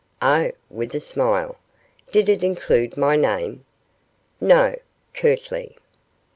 'Oh!' with a smile. 'Did it include my name?' 'No,' curtly.